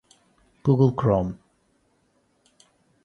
google chrome